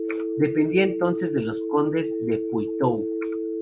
Dependía entonces de los condes de Poitou.